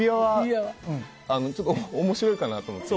ちょっと面白いかなと思って。